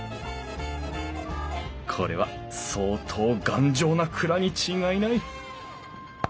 これは相当頑丈な蔵に違いない！